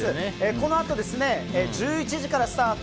このあと１１時からスタート。